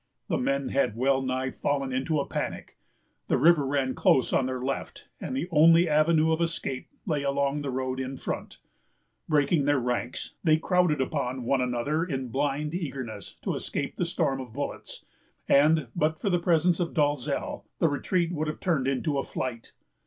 The men had well nigh fallen into a panic. The river ran close on their left, and the only avenue of escape lay along the road in front. Breaking their ranks, they crowded upon one another in blind eagerness to escape the storm of bullets; and but for the presence of Dalzell, the retreat would have been turned into a flight.